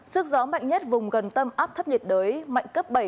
sức gió mạnh nhất vùng gần tâm áp thấp nhiệt đới mạnh cấp bảy